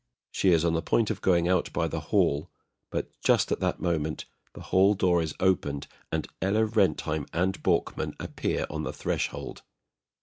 [She is on the point of going out by the hall, but just at that moment the hall door is opened, and ELLA RENTHEIM and BORKMAN appear on the threshold.